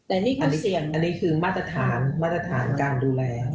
อันนี้คือมาตรฐานการดูแล